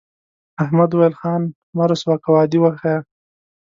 احمد وویل خان مه رسوا کوه عادي وښیه.